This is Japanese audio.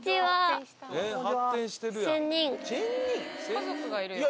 家族がいるよ。